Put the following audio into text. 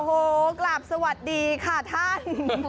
โอ้โหกลับสวัสดีค่ะท่าน